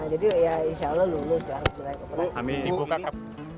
jadi ya insya allah lulus lah uji layak operasi